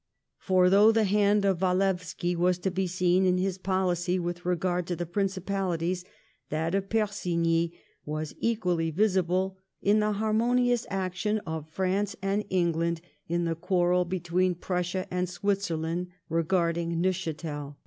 For though the hand of Walewski was to be seen in his policy with regard to* the Frincipalities, that of Fersigny was equally visible in the harmonious action of France and England in the quarrel between Frussia and Switzerland r6 Neuch&tel